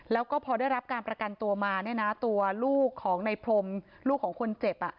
แล้วก็พอได้รับการประกันตัวมาเนี่ยนะตัวลูกของในพรมลูกของคนเจ็บ